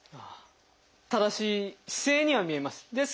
正しい姿勢には見えます。